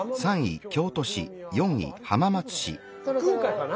福岡かな？